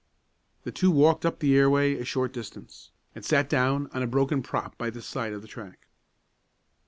The two walked up the airway a short distance, and sat down on a broken prop by the side of the track.